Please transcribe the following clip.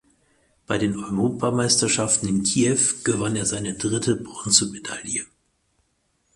Bei den Europameisterschaften in Kiew gewann er seine dritte Bronzemedaille.